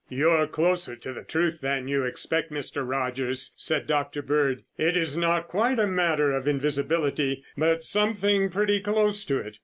"You're closer to the truth than you suspect, Mr. Rogers," said Dr. Bird. "It is not quite a matter of invisibility, but something pretty close to it.